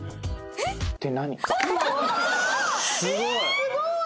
すごい！